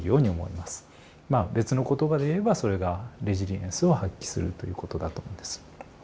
まあ別の言葉で言えばそれがレジリエンスを発揮するということだと思うんです。